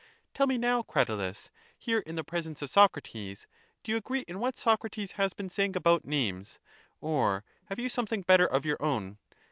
Tell me now, Cratylus, here in the presence of Socrates, do you agree in what Socrates has been saying about names, or have you something better of your own?